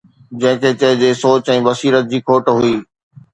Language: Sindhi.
جنهن کي چئجي سوچ ۽ بصيرت جي کوٽ هئي.